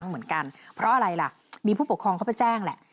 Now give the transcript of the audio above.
เหมือนกันเพราะอะไรล่ะมีผู้ปกครองเขาไปแจ้งแหละ